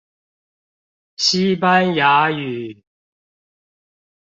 西班牙語